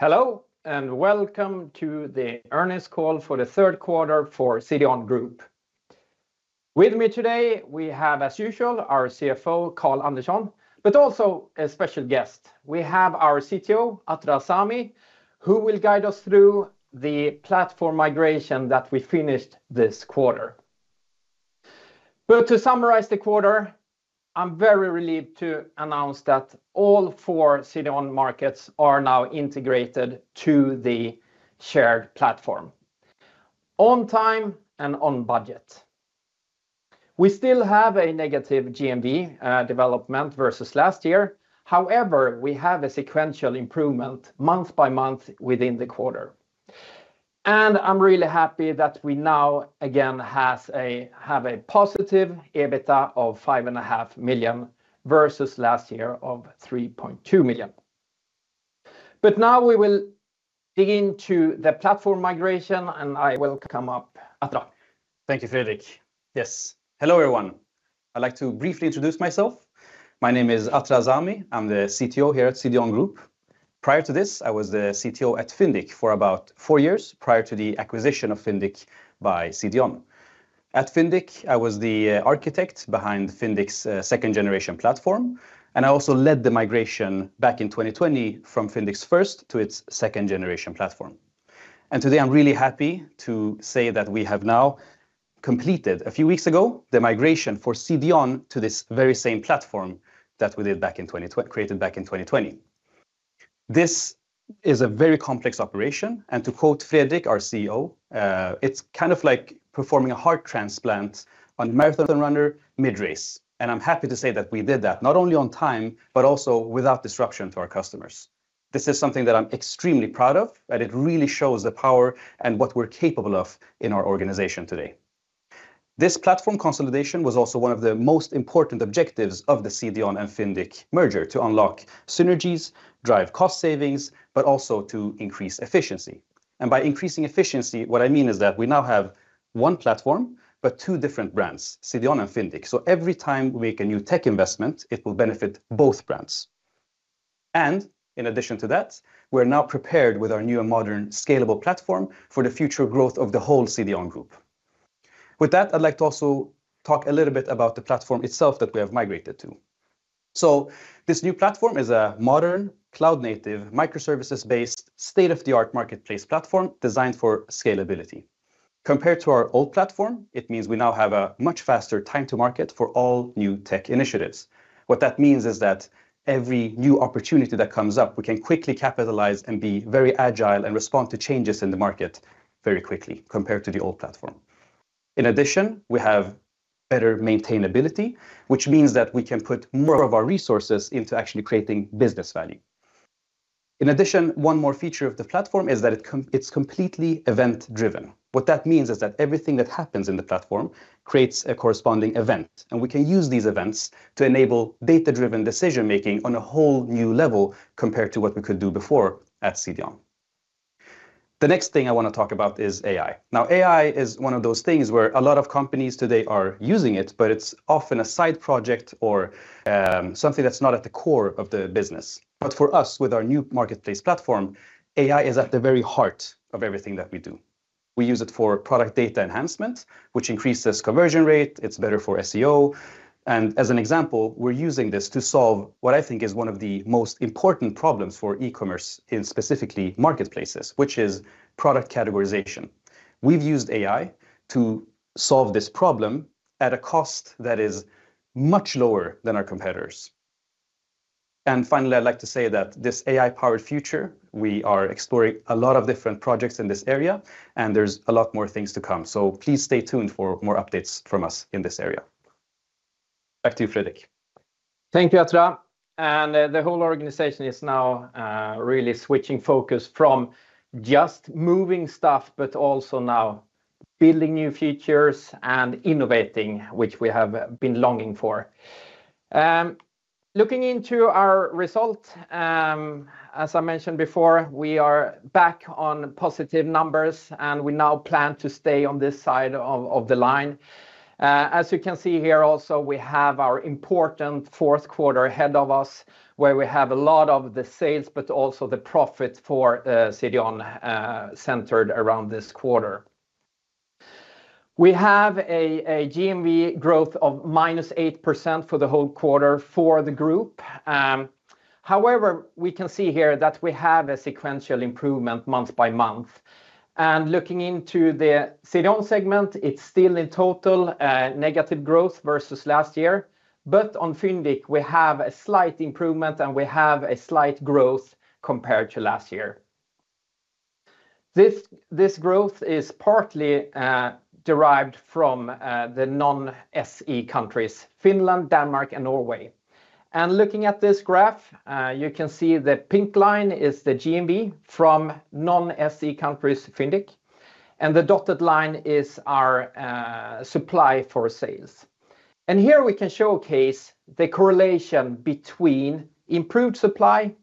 Hello, and welcome to The Earnings Call for the Third quarter for CDON Group. With me today, we have, as usual, our CFO, Carl Andersson, but also a special guest. We have our CTO, Atra Azami, who will guide us through the platform migration that we finished this quarter. But to summarize the quarter, I'm very relieved to announce that all four CDON markets are now integrated to the shared platform, on time and on budget. We still have a negative GMV development vs last year. However, we have a sequential improvement month by month within the quarter. And I'm really happy that we now again has a, have a positive EBITDA of 5.5 million, vs last year of 3.2 million. But now we will dig into the platform migration, and I will come up, Atra. Thank you, Fredrik. Yes. Hello, everyone. I'd like to briefly introduce myself. My name is Atra Azami. I'm the CTO here at CDON Group. Prior to this, I was the CTO at Fyndiq for about four years, prior to the acquisition of Fyndiq by CDON. At Fyndiq, I was the architect behind Fyndiq's second-generation platform, and I also led the migration back in 2020 from Fyndiq's first to its second-generation platform. And today, I'm really happy to say that we have now completed, a few weeks ago, the migration for CDON to this very same platform that we created back in 2020. This is a very complex operation, and to quote Fredrik, our CEO, "It's kind of like performing a heart transplant on a marathon runner mid-race." I'm happy to say that we did that, not only on time, but also without disruption to our customers. This is something that I'm extremely proud of, and it really shows the power and what we're capable of in our organization today. This platform consolidation was also one of the most important objectives of the CDON and Fyndiq merger, to unlock synergies, drive cost savings, but also to increase efficiency. By increasing efficiency, what I mean is that we now have one platform, but two different brands, CDON and Fyndiq. So every time we make a new tech investment, it will benefit both brands. In addition to that, we're now prepared with our new and modern scalable platform for the future growth of the whole CDON Group. With that, I'd like to also talk a little bit about the platform itself that we have migrated to. This new platform is a modern, cloud-native, microservices-based, state-of-the-art marketplace platform designed for scalability. Compared to our old platform, it means we now have a much faster time to market for all new tech initiatives. What that means is that every new opportunity that comes up, we can quickly capitalize and be very agile and respond to changes in the market very quickly compared to the old platform. In addition, we have better maintainability, which means that we can put more of our resources into actually creating business value. In addition, one more feature of the platform is that it's completely event-driven. What that means is that everything that happens in the platform creates a corresponding event, and we can use these events to enable data-driven decision-making on a whole new level compared to what we could do before at CDON. The next thing I want to talk about is AI. Now, AI is one of those things where a lot of companies today are using it, but it's often a side project or, something that's not at the core of the business. But for us, with our new marketplace platform, AI is at the very heart of everything that we do. We use it for product data enhancement, which increases conversion rate. It's better for SEO, and as an example, we're using this to solve what I think is one of the most important problems for e-commerce in specifically marketplaces, which is product categorization. We've used AI to solve this problem at a cost that is much lower than our competitors, and finally, I'd like to say that this AI-powered future, we are exploring a lot of different projects in this area, and there's a lot more things to come, so please stay tuned for more updates from us in this area. Back to you, Fredrik. Thank you, Atra. And the whole organization is now really switching focus from just moving stuff, but also now building new features and innovating, which we have been longing for. Looking into our result, as I mentioned before, we are back on positive numbers, and we now plan to stay on this side of the line. As you can see here, also, we have our important fourth quarter ahead of us, where we have a lot of the sales, but also the profit for CDON centered around this quarter. We have a GMV growth of -8% for the whole quarter for the group. However, we can see here that we have a sequential improvement month by month. Looking into the CDON segment, it's still in total negative growth versus last year, but on Fyndiq, we have a slight improvement, and we have a slight growth compared to last year. This growth is partly derived from the non-SE countries, Finland, Denmark, and Norway. Looking at this graph, you can see the pink line is the GMV from non-SE countries, Fyndiq, and the dotted line is our supply for sales. Here we can showcase the correlation between improved supply,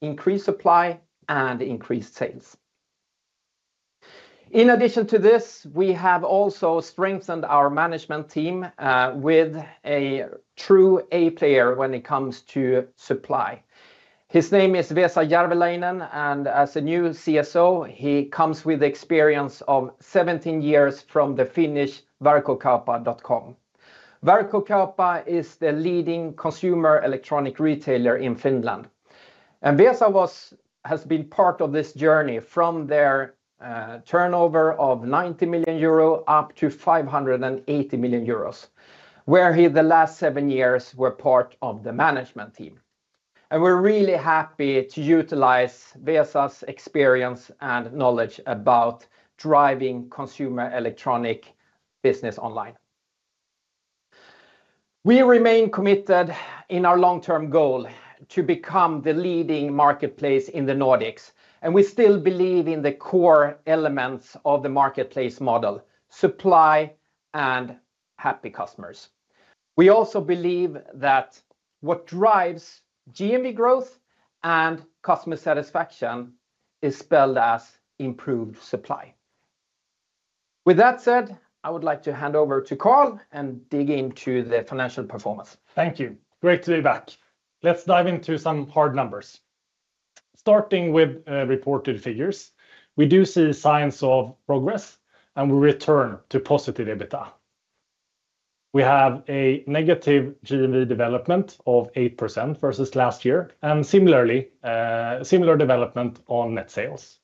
increased supply, and increased sales. In addition to this, we have also strengthened our management team with a true A player when it comes to supply. His name is Vesa Järveläinen, and as a new CSO, he comes with experience of 17 years from the Finnish Verkkokauppa.com. Verkkokauppa is the leading consumer electronics retailer in Finland, and Vesa was, has been part of this journey from their turnover of 90 million euro up to 580 million euros, where he, the last seven years, were part of the management team. And we're really happy to utilize Vesa's experience and knowledge about driving consumer electronics business online. We remain committed in our long-term goal to become the leading marketplace in the Nordics, and we still believe in the core elements of the marketplace model, supply and happy customers. We also believe that what drives GMV growth and customer satisfaction is spelled as improved supply. With that said, I would like to hand over to Carl and dig into the financial performance. Thank you. Great to be back. Let's dive into some hard numbers. Starting with reported figures, we do see signs of progress, and we return to positive EBITDA. We have a negative GMV development of 8% vs last year, and similarly, similar development on net sales.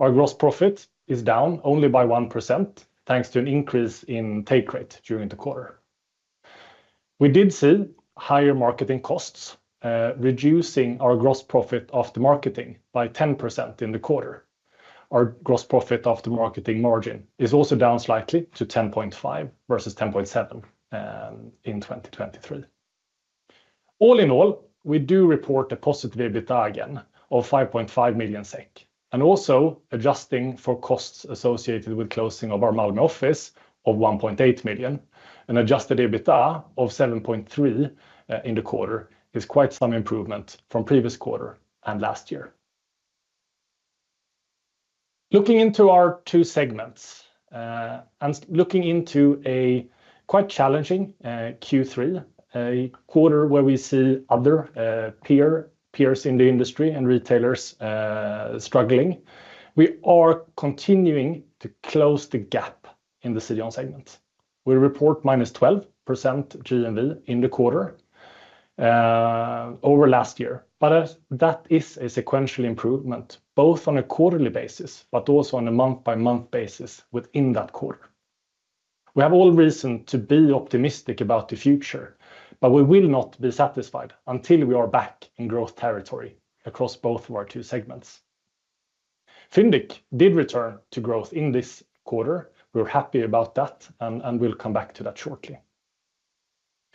Our gross profit is down only by 1%, thanks to an increase in take rate during the quarter. We did see higher marketing costs, reducing our gross profit after marketing by 10% in the quarter. Our gross profit of the marketing margin is also down slightly to 10.5 vs 10.7 in 2023. All in all, we do report a positive EBITDA again of 5.5 million SEK, and also adjusting for costs associated with closing of our Malmö office of 1.8 million, an adjusted EBITDA of 7.3 in the quarter is quite some improvement from previous quarter and last year. Looking into our two segments, and looking into a quite challenging Q3, a quarter where we see other peers in the industry and retailers struggling, we are continuing to close the gap in the CDON segment. We report -12% GMV in the quarter over last year, but that is a sequential improvement, both on a quarterly basis, but also on a month-by-month basis within that quarter. We have all reason to be optimistic about the future, but we will not be satisfied until we are back in growth territory across both of our two segments. Fyndiq did return to growth in this quarter. We're happy about that, and we'll come back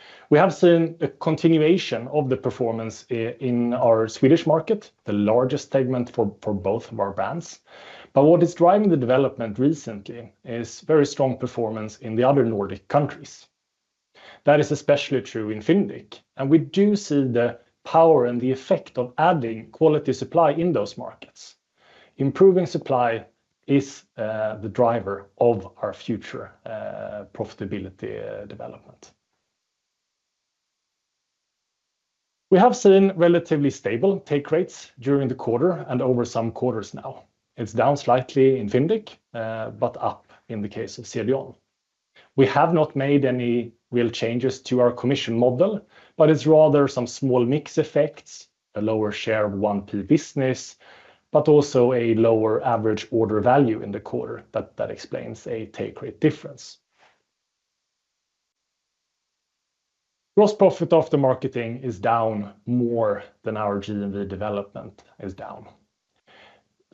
to that shortly. We have seen a continuation of the performance in our Swedish market, the largest segment for both of our brands, but what is driving the development recently is very strong performance in the other Nordic countries. That is especially true in Fyndiq, and we do see the power and the effect of adding quality supply in those markets. Improving supply is the driver of our future profitability development. We have seen relatively stable take rates during the quarter and over some quarters now. It's down slightly in Fyndiq, but up in the case of CDON. We have not made any real changes to our commission model, but it's rather some small mix effects, a lower share of 1P business, but also a lower average order value in the quarter that explains a take rate difference. Gross profit of the marketing is down more than our GMV development is down.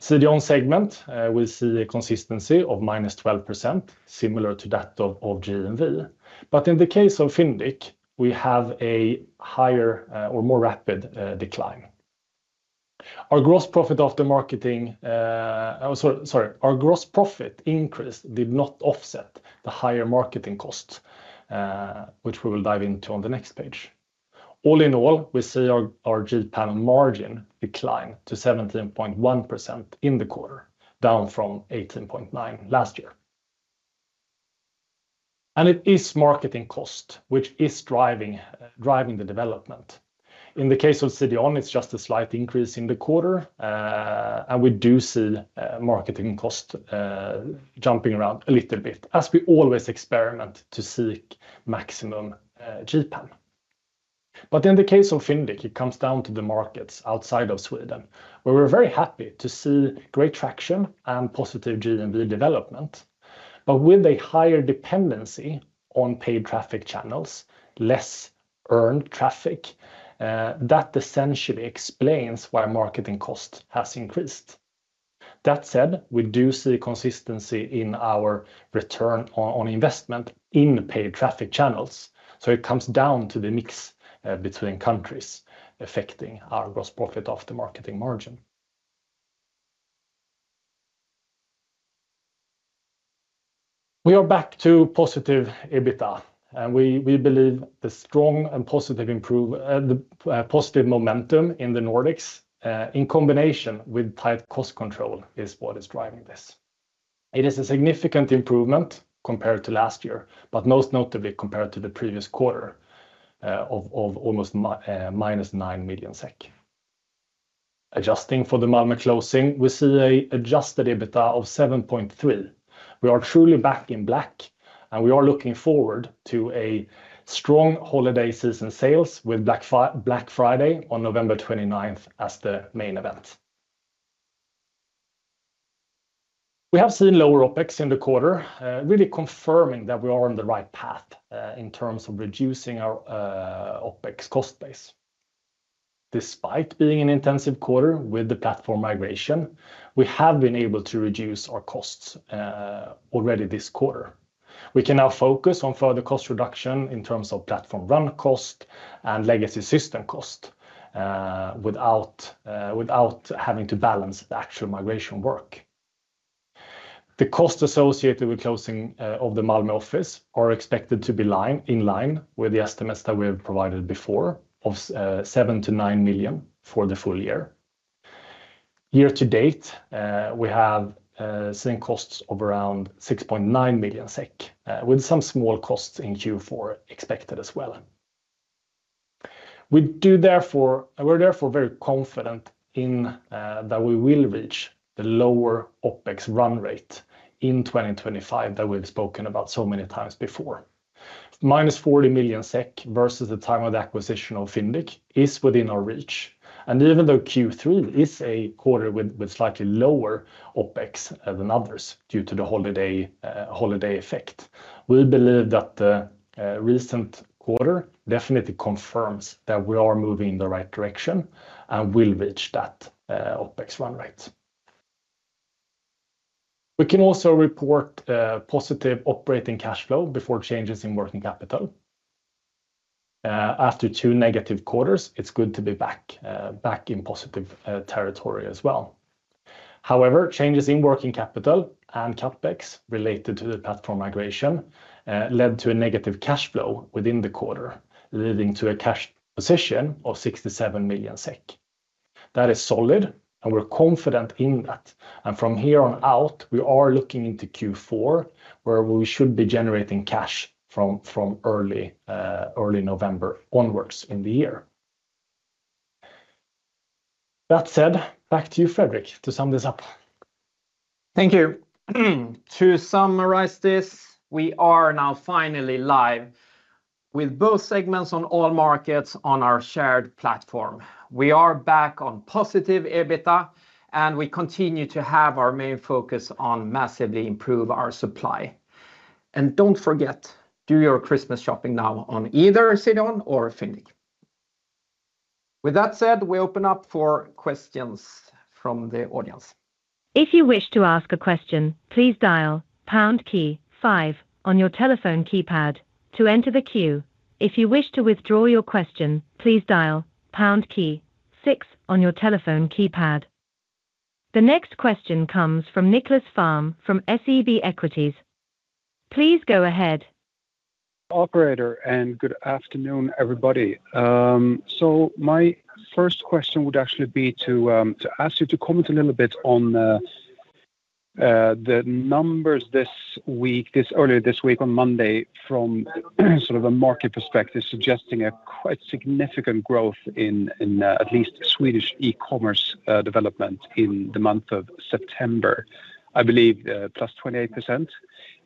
CDON segment, we see a consistency of -12%, similar to that of GMV. But in the case of Fyndiq, we have a higher or more rapid decline. Our gross profit of the marketing, our gross profit increase did not offset the higher marketing costs, which we will dive into on the next page. All in all, we see our GPAM margin decline to 17.1% in the quarter, down from 18.9% last year. And it is marketing cost, which is driving the development. In the case of CDON, it's just a slight increase in the quarter, and we do see marketing cost jumping around a little bit as we always experiment to seek maximum GPAM. But in the case of Fyndiq, it comes down to the markets outside of Sweden, where we're very happy to see great traction and positive GMV development. But with a higher dependency on paid traffic channels, less earned traffic, that essentially explains why marketing cost has increased. That said, we do see consistency in our return on investment in paid traffic channels, so it comes down to the mix between countries affecting our gross profit of the marketing margin. We are back to positive EBITDA, and we believe the strong and positive improve, the positive momentum in the Nordics, in combination with tight cost control is what is driving this. It is a significant improvement compared to last year, but most notably compared to the previous quarter, of almost -9 million SEK. Adjusting for the Malmö closing, we see an adjusted EBITDA of 7.3 million. We are truly back in black, and we are looking forward to a strong holiday season sales with Black Friday on November 29th as the main event. We have seen lower OpEx in the quarter, really confirming that we are on the right path, in terms of reducing our OpEx cost base. Despite being an intensive quarter with the platform migration, we have been able to reduce our costs already this quarter. We can now focus on further cost reduction in terms of platform run cost and legacy system cost without having to balance the actual migration work. The cost associated with closing of the Malmö office are expected to be in line with the estimates that we have provided before of 7-9 million SEK for the full year. Year to date, we have seen costs of around 6.9 million SEK with some small costs in Q4 expected as well. We're therefore very confident in that we will reach the lower OpEx run rate in 2025 that we've spoken about so many times before. -40 million SEK versus the time of the acquisition of Fyndiq is within our reach, and even though Q3 is a quarter with slightly lower OpEx than others due to the holiday effect, we believe that the recent quarter definitely confirms that we are moving in the right direction and will reach that OpEx run rate. We can also report positive operating cash flow before changes in working capital. After two negative quarters, it's good to be back in positive territory as well. However, changes in working capital and CapEx related to the platform migration led to a negative cash flow within the quarter, leading to a cash position of 67 million SEK. That is solid, and we're confident in that, and from here on out, we are looking into Q4, where we should be generating cash from, from early, early November onwards in the year. That said, back to you, Fredrik, to sum this up. Thank you. To summarize this, we are now finally live with both segments on all markets on our shared platform. We are back on positive EBITDA, and we continue to have our main focus on massively improve our supply. And don't forget, do your Christmas shopping now on either CDON or Fyndiq. With that said, we open up for questions from the audience. If you wish to ask a question, please dial pound key five on your telephone keypad to enter the queue. If you wish to withdraw your question, please dial pound key six on your telephone keypad. The next question comes from Nicklas Fhärm from SEB Equities. Please go ahead. Operator, and good afternoon, everybody. So my first question would actually be to ask you to comment a little bit on the numbers this week, earlier this week on Monday from sort of a market perspective, suggesting a quite significant growth in at least Swedish e-commerce development in the month of September, I believe, +28%.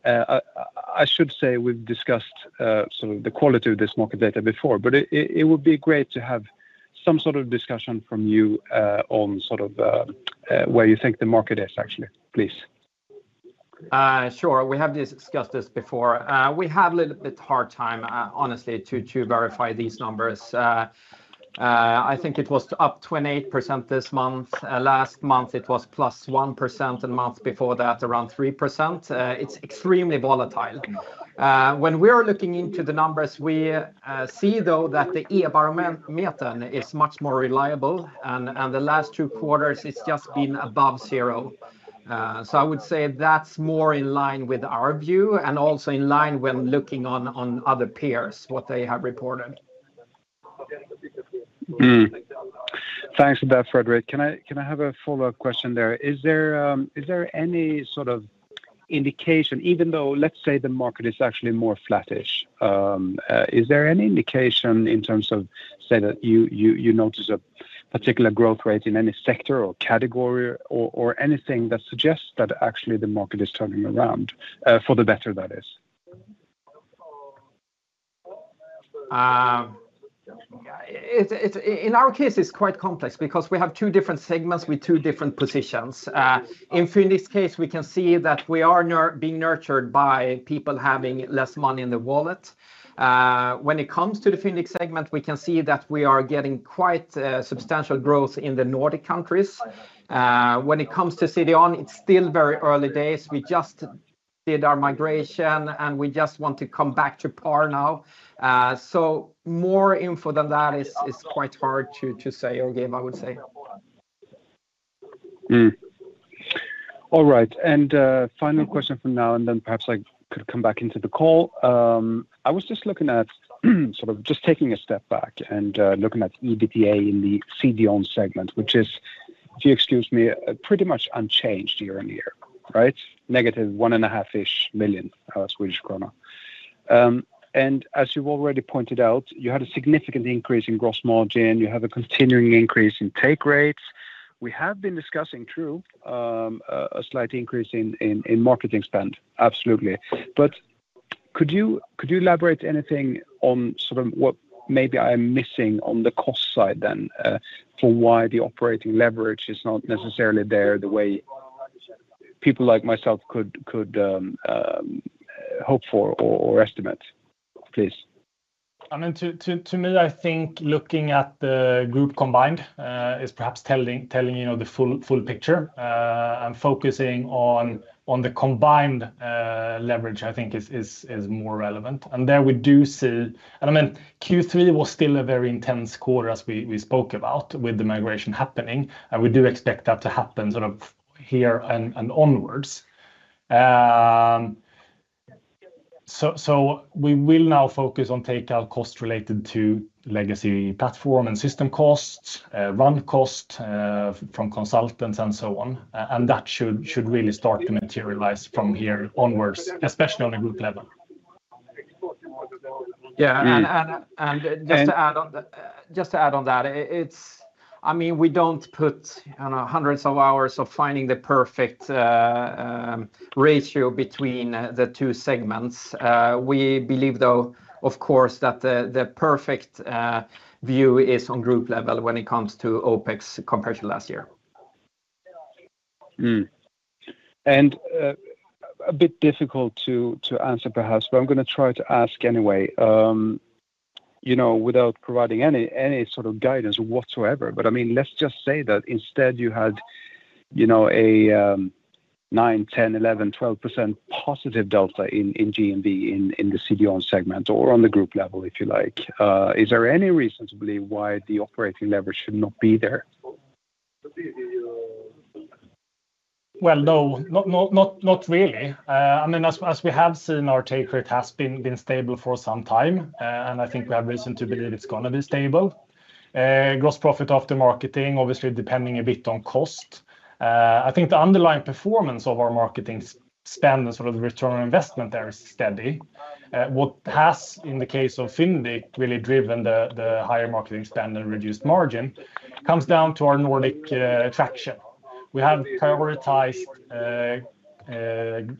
I should say we've discussed sort of the quality of this market data before, but it would be great to have some sort of discussion from you on sort of where you think the market is, actually, please. Sure. We have discussed this before. We had a little bit hard time, honestly, to verify these numbers. I think it was up 28% this month. Last month it was +1%, and the month before that, around 3%. It's extremely volatile. When we are looking into the numbers, we see, though, that the E-barometer is much more reliable, and the last two quarters it's just been above zero. So I would say that's more in line with our view and also in line when looking on other peers, what they have reported. Thanks for that, Fredrik. Can I have a follow-up question there? Is there any sort of indication, even though, let's say, the market is actually more flattish, is there any indication in terms of, say, that you notice a particular growth rate in any sector or category or anything that suggests that actually the market is turning around, for the better, that is? In our case, it's quite complex because we have two different segments with two different positions. In Fyndiq's case, we can see that we are being nurtured by people having less money in their wallet. When it comes to the Fyndiq segment, we can see that we are getting quite substantial growth in the Nordic countries. When it comes to CDON, it's still very early days. We just did our migration, and we just want to come back to par now. More info than that is quite hard to say or give, I would say.... Mm-hmm. All right, and, final question for now, and then perhaps I could come back into the call. I was just looking at, sort of just taking a step back and, looking at EBITDA in the CDON segment, which is, if you excuse me, pretty much unchanged year on year, right? -1.5 million Swedish kronor. And as you've already pointed out, you had a significant increase in gross margin, you have a continuing increase in take rates. We have been discussing, true, a slight increase in marketing spend, absolutely. But could you elaborate anything on sort of what maybe I'm missing on the cost side then, for why the operating leverage is not necessarily there, the way people like myself could hope for or estimate, please? I mean, to me, I think looking at the group combined is perhaps telling, you know, the full picture. And focusing on the combined leverage, I think, is more relevant. And there we do see... And I mean, Q3 was still a very intense quarter as we spoke about, with the migration happening, and we do expect that to happen sort of here and onwards. So we will now focus on take-out costs related to legacy platform and system costs, run cost from consultants and so on. And that should really start to materialize from here onwards, especially on a group level. Yeah. Mm-hmm. Just to add on that, it's, I mean, we don't put, I don't know, hundreds of hours of finding the perfect ratio between the two segments. We believe, though, of course, that the perfect view is on group level when it comes to OpEx compared to last year. Mm-hmm. And a bit difficult to answer perhaps, but I'm gonna try to ask anyway. You know, without providing any sort of guidance whatsoever, but I mean, let's just say that instead you had, you know, a 9%-12% positive delta in GMV, in the CDON segment or on the group level, if you like, is there any reason to believe why the operating leverage should not be there? No, not really. I mean, as we have seen, our take rate has been stable for some time, and I think we have reason to believe it's gonna be stable. Gross profit after marketing, obviously depending a bit on cost. I think the underlying performance of our marketing spend and sort of return on investment there is steady. What has, in the case of Fyndiq, really driven the higher marketing spend and reduced margin, comes down to our Nordic traction. We have prioritized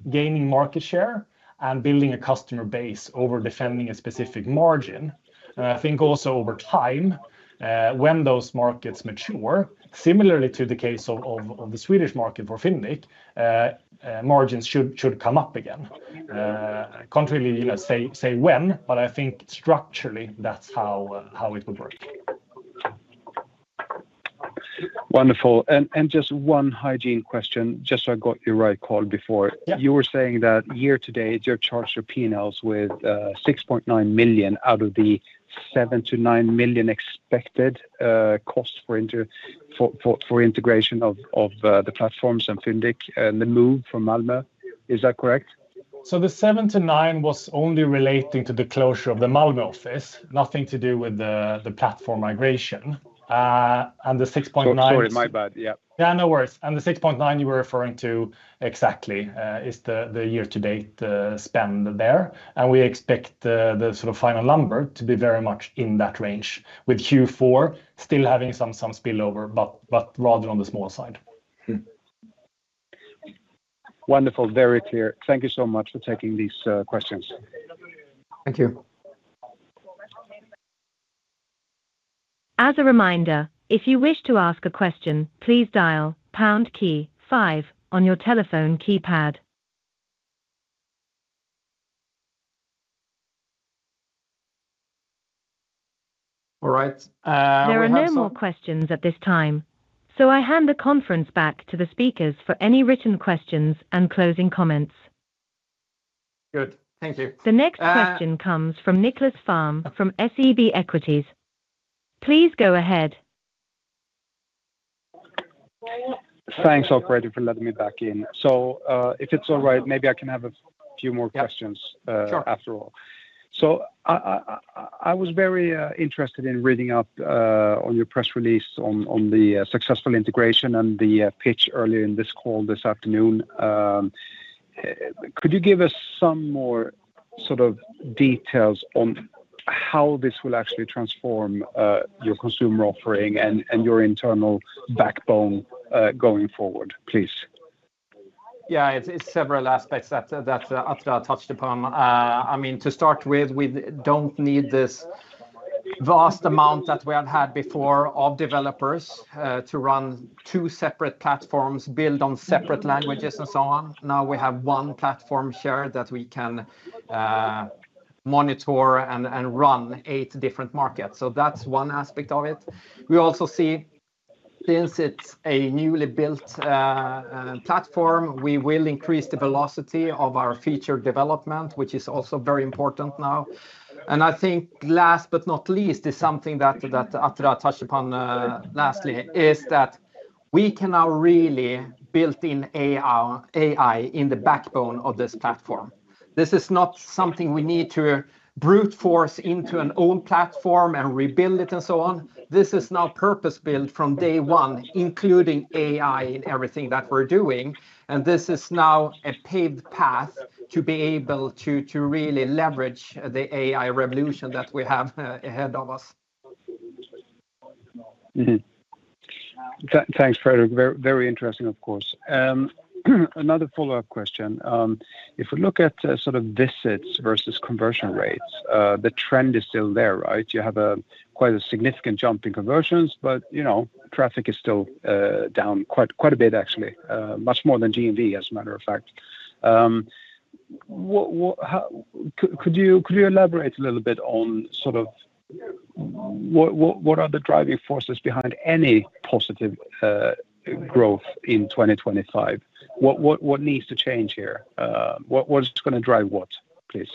gaining market share and building a customer base over defending a specific margin. I think also over time, when those markets mature, similarly to the case of the Swedish market for Fyndiq, margins should come up again. Can't really, you know, say when, but I think structurally, that's how it would work. Wonderful. And just one hygiene question, just so I got your right call before. Yeah. You were saying that year to date, you've charged your P&Ls with 6.9 million out of the 7-9 million expected cost for integration of the platforms and Fyndiq, and the move from Malmö. Is that correct? So the 7-9 was only relating to the closure of the Malmö office, nothing to do with the platform migration. And the 6.9- Sorry, my bad, yeah. Yeah, no worries. And the 6.9 you were referring to, exactly, is the year-to-date spend there. And we expect the sort of final number to be very much in that range, with Q4 still having some spillover, but rather on the smaller side. Mm-hmm. Wonderful. Very clear. Thank you so much for taking these questions. Thank you. As a reminder, if you wish to ask a question, please dial pound key five on your telephone keypad. All right. There are no more questions at this time, so I hand the conference back to the speakers for any written questions and closing comments. Good. Thank you, The next question comes from Nicklas Fhärm from SEB Equities. Please go ahead. Thanks, operator, for letting me back in. So, if it's all right, maybe I can have a few more questions? Yeah... after all. Sure. So I was very interested in reading up on your press release on the successful integration and the pitch earlier in this call this afternoon. Could you give us some more sort of details on how this will actually transform your consumer offering and your internal backbone going forward, please? Yeah, it's several aspects that Atra touched upon. I mean, to start with, we don't need this vast amount that we have had before of developers to run two separate platforms built on separate languages and so on. Now, we have one platform shared that we can monitor and run eight different markets. So that's one aspect of it. We also see, since it's a newly built,... platform, we will increase the velocity of our feature development, which is also very important now. And I think last but not least is something that Atra touched upon lastly, is that we can now really build in AI in the backbone of this platform. This is not something we need to brute force into an own platform and rebuild it, and so on. This is now purpose-built from day one, including AI in everything that we're doing, and this is now a paved path to be able to really leverage the AI revolution that we have ahead of us. Mm-hmm. Thanks, Fredrik. Very, very interesting, of course. Another follow-up question. If we look at sort of visits vs conversion rates, the trend is still there, right? You have quite a significant jump in conversions, but you know, traffic is still down quite a bit, actually, much more than GMV, as a matter of fact. What, how could you elaborate a little bit on sort of what are the driving forces behind any positive growth in 2025? What needs to change here? What, what's gonna drive what, please?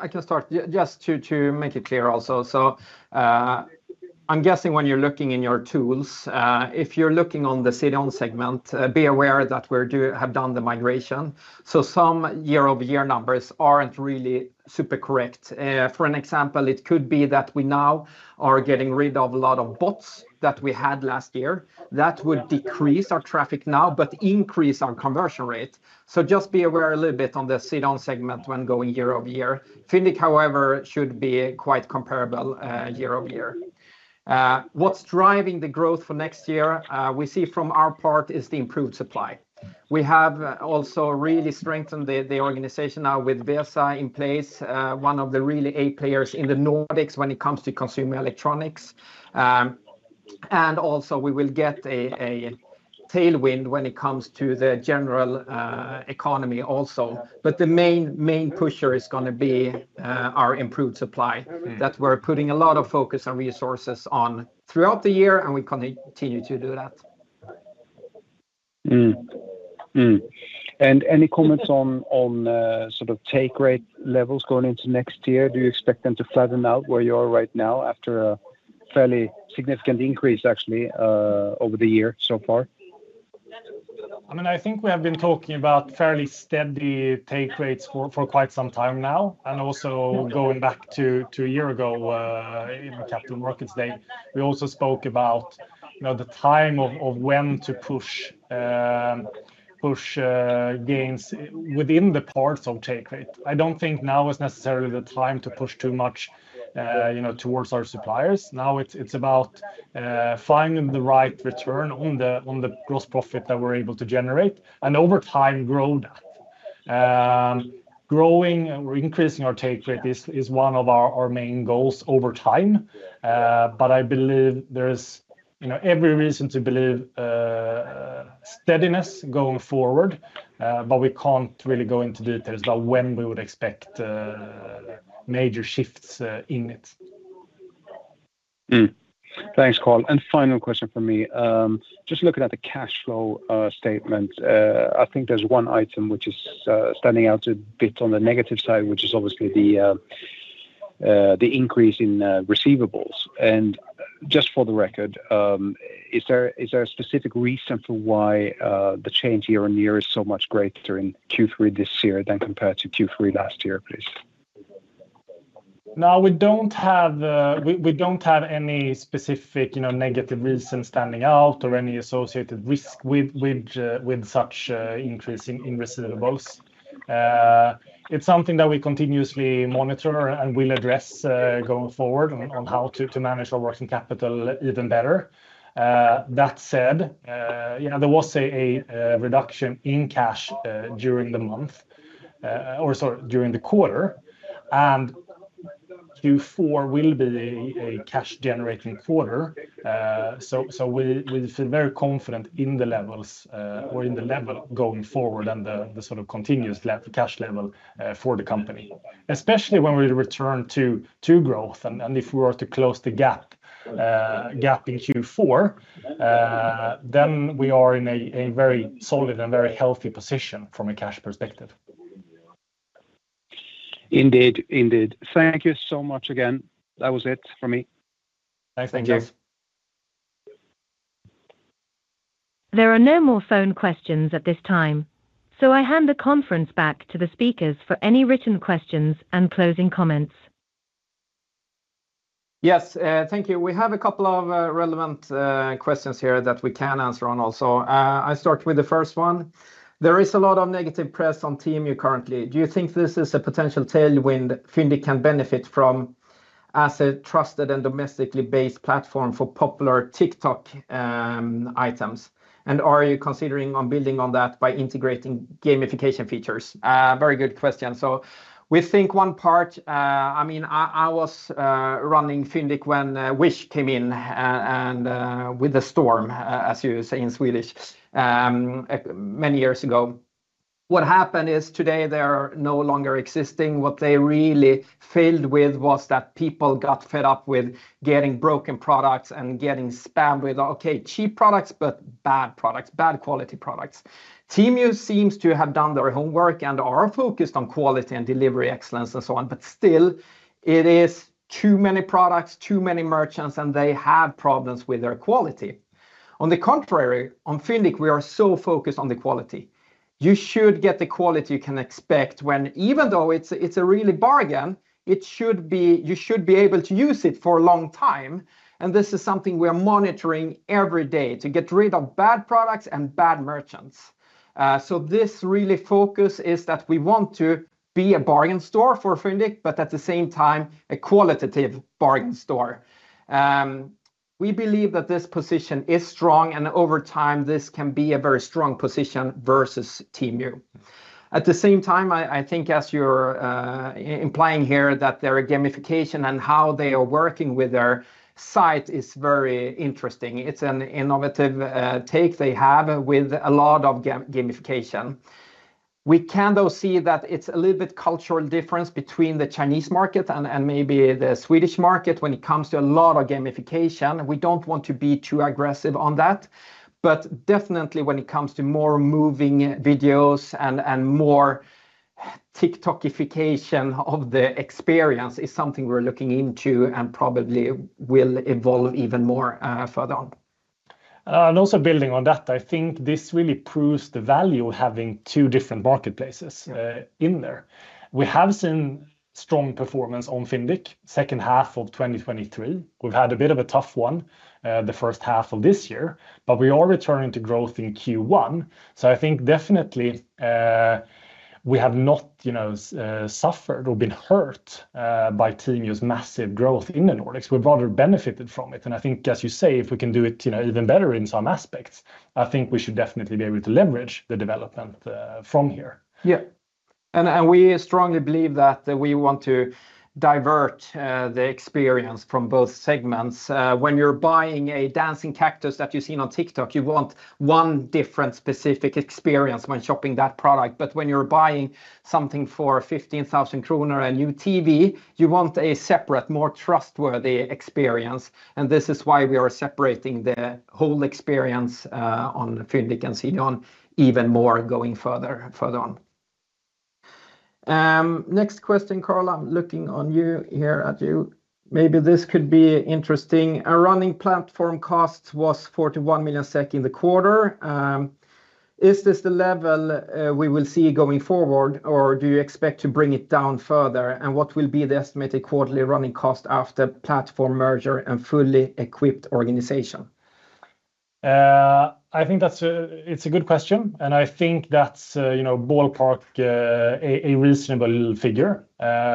I can start. Just to make it clear also, I'm guessing when you're looking in your tools, if you're looking on the CDON segment, be aware that we have done the migration, so some year-over-year numbers aren't really super correct. For an example, it could be that we now are getting rid of a lot of bots that we had last year. That would decrease our traffic now, but increase our conversion rate. Just be aware a little bit on the CDON segment when going year over year. Fyndiq, however, should be quite comparable, year over year. What's driving the growth for next year, we see from our part is the improved supply. We have also really strengthened the organization now with Vesa in place, one of the really key players in the Nordics when it comes to consumer electronics, and also we will get a tailwind when it comes to the general economy also, but the main pusher is gonna be our improved supply that we're putting a lot of focus and resources on throughout the year, and we continue to do that. And any comments on sort of take rate levels going into next year? Do you expect them to flatten out where you are right now after a fairly significant increase, actually, over the year so far? I mean, I think we have been talking about fairly steady take rates for quite some time now, and also going back to a year ago, in Captain Markets Day, we also spoke about, you know, the time of when to push gains within the parts of take rate. I don't think now is necessarily the time to push too much, you know, towards our suppliers. Now, it's about finding the right return on the gross profit that we're able to generate, and over time, grow that. Growing or increasing our take rate is one of our main goals over time. But I believe there's, you know, every reason to believe steadiness going forward, but we can't really go into details about when we would expect major shifts in it. Mm. Thanks, Carl. And final question from me. Just looking at the cash flow statement, I think there's one item which is standing out a bit on the negative side, which is obviously the increase in receivables. And just for the record, is there a specific reason for why the change year on year is so much greater in Q3 this year than compared to Q3 last year, please? No, we don't have any specific, you know, negative reasons standing out or any associated risk with such increase in receivables. It's something that we continuously monitor and will address going forward on how to manage our working capital even better. That said, you know, there was a reduction in cash during the month, or, sorry, during the quarter, and Q4 will be a cash-generating quarter. So we feel very confident in the levels or in the level going forward and the sort of continuous cash level for the company, especially when we return to growth. If we were to close the gap in Q4, then we are in a very solid and very healthy position from a cash perspective. Indeed. Indeed. Thank you so much again. That was it for me. Thanks. Thank you. There are no more phone questions at this time, so I hand the conference back to the speakers for any written questions and closing comments. Yes, thank you. We have a couple of relevant questions here that we can answer on also. I start with the first one: "There is a lot of negative press on Temu currently. Do you think this is a potential tailwind Fyndiq can benefit from as a trusted and domestically based platform for popular TikTok items? And are you considering on building on that by integrating gamification features?" Very good question. So we think one part. I mean, I was running Fyndiq when Wish came in, and with a storm, as you say in Swedish, many years ago. What happened is today they are no longer existing. What they really failed with was that people got fed up with getting broken products and getting spammed with, okay, cheap products, but bad products, bad quality products. Temu seems to have done their homework and are focused on quality and delivery excellence and so on, but still it is too many products, too many merchants, and they have problems with their quality. On the contrary, on Fyndiq, we are so focused on the quality. You should get the quality you can expect when, even though it's a really bargain, it should be. You should be able to use it for a long time, and this is something we are monitoring every day, to get rid of bad products and bad merchants. So this really focus is that we want to be a bargain store for Fyndiq, but at the same time, a qualitative bargain store. We believe that this position is strong, and over time, this can be a very strong position vs Temu. At the same time, I think, as you're implying here, that their gamification and how they are working with their site is very interesting. It's an innovative take they have with a lot of gamification. We can, though, see that it's a little bit cultural difference between the Chinese market and maybe the Swedish market when it comes to a lot of gamification, and we don't want to be too aggressive on that. But definitely when it comes to more moving videos and more TikTokification of the experience is something we're looking into and probably will evolve even more further on. And also building on that, I think this really proves the value of having two different marketplaces, in there. We have seen strong performance on Fyndiq, second half of 2023. We've had a bit of a tough one, the first half of this year, but we are returning to growth in Q1, so I think definitely, we have not, you know, suffered or been hurt, by Temu's massive growth in the Nordics. We've rather benefited from it, and I think, as you say, if we can do it, you know, even better in some aspects, I think we should definitely be able to leverage the development, from here. Yeah. And we strongly believe that we want to differentiate the experience from both segments. When you're buying a dancing cactus that you've seen on TikTok, you want one different, specific experience when shopping that product. But when you're buying something for 15,000 kronor, a new TV, you want a separate, more trustworthy experience, and this is why we are separating the whole experience on Fyndiq and CDON even more going further on. Next question, Carl. I'm looking to you. Maybe this could be interesting. "Our running platform cost was 41 million SEK in the quarter. Is this the level we will see going forward, or do you expect to bring it down further? And what will be the estimated quarterly running cost after platform merger and fully equipped organization? I think that's a good question, and I think that's, you know, ballpark, a reasonable figure.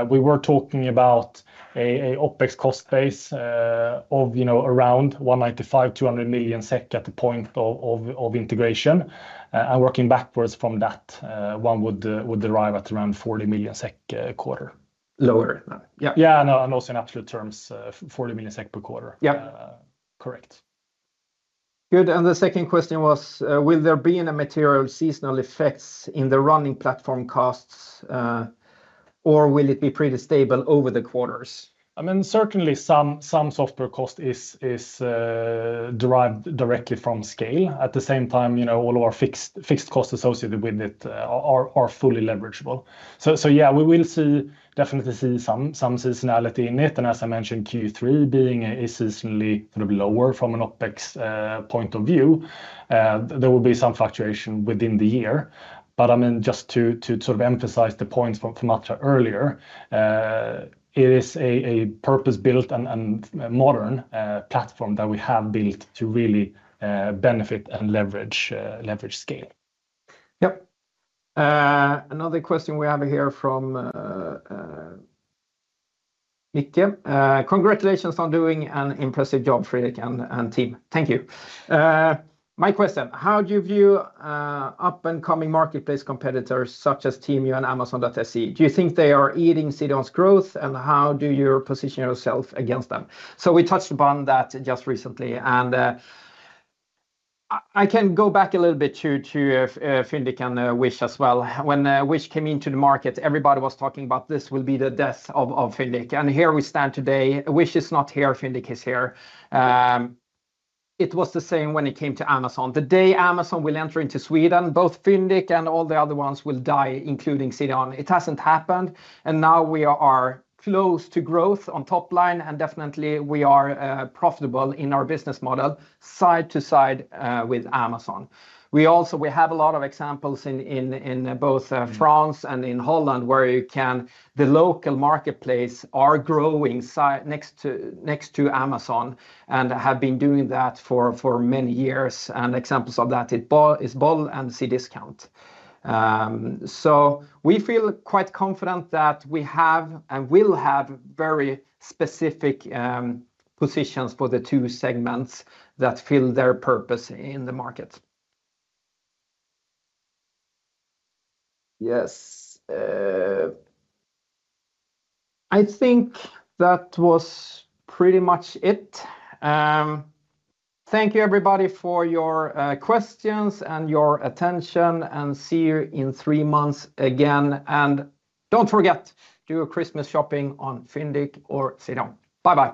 We were talking about a OpEx cost base of, you know, around 195-200 million SEK at the point of integration. And working backwards from that, one would arrive at around 40 million SEK quarter. Lower? Yeah. Yeah, no, and also in absolute terms, 40 million SEK per quarter. Yeah. Uh, correct. Good, and the second question was, "Will there be any material seasonal effects in the running platform costs, or will it be pretty stable over the quarters? I mean, certainly some software cost is derived directly from scale. At the same time, you know, all of our fixed costs associated with it are fully leverageable. So, yeah, we will see, definitely see some seasonality in it, and as I mentioned, Q3 being a seasonally sort of lower from an OpEx point of view, there will be some fluctuation within the year. But, I mean, just to sort of emphasize the points from earlier, it is a purpose-built and modern platform that we have built to really benefit and leverage scale. Yep. Another question we have here from Nicklas. "Congratulations on doing an impressive job, Fredrik and team." Thank you. "My question, how do you view up-and-coming marketplace competitors such as Temu and amazon.se? Do you think they are eating CDON's growth, and how do you position yourself against them?" We touched upon that just recently, and I can go back a little bit to Fyndiq and Wish as well. When Wish came into the market, everybody was talking about this will be the death of Fyndiq, and here we stand today. Wish is not here. Fyndiq is here. It was the same when it came to Amazon. The day Amazon will enter into Sweden, both Fyndiq and all the other ones will die, including CDON. It hasn't happened, and now we are close to growth on top line, and definitely, we are, profitable in our business model, side to side, with Amazon. We also... We have a lot of examples in both, France and in Holland, where you can-- the local marketplace are growing next to Amazon and have been doing that for many years, and examples of that is Bol and Cdiscount. So we feel quite confident that we have and will have very specific positions for the two segments that fill their purpose in the market. Yes, I think that was pretty much it. Thank you, everybody, for your questions and your attention, and see you in three months again. And don't forget, do your Christmas shopping on Fyndiq or CDON. Bye-bye.